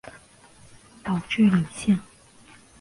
岛智里线